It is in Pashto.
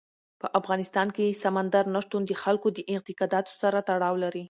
په افغانستان کې سمندر نه شتون د خلکو د اعتقاداتو سره تړاو لري.